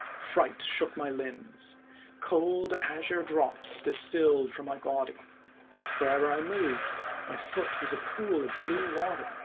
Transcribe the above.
* Fright shook my limbs. Cold azure drops distilled from my body. Wherever I moved my foot was a pool of blue water.